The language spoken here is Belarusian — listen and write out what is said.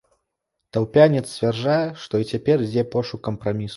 Таўпянец сцвярджае, што і цяпер ідзе пошук кампрамісу.